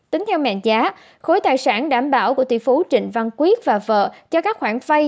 tính theo mệnh giá khối tài sản đảm bảo của tỷ phú trịnh văn quyết và vợ cho các khoản vay